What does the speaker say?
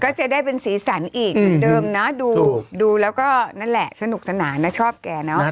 ก็จะได้เป็นสีสันอีกเหมือนเดิมนะดูดูแล้วก็นั่นแหละสนุกสนานนะชอบแกเนอะ